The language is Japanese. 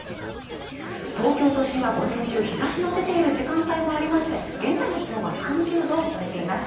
東京都心は午前中日差しの出ている時間帯もありまして現在の気温は３０度を超えています